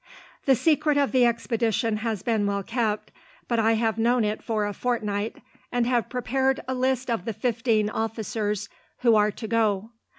"The secret of the expedition has been well kept, but I have known it for a fortnight, and have prepared a list of the fifteen officers who are to go.